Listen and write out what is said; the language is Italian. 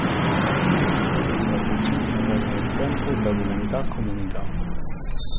Il livello di patriottismo varia nel tempo e da comunità a comunità.